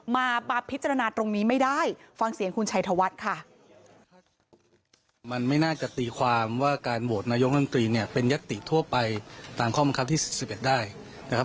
มันไม่น่าจะตีความว่าการโบสถ์นายกลางตรีเนี่ยเป็นยักษ์ติดทั่วไปตามข้อมันคับที่สิบสิบเอ็ดได้นะครับ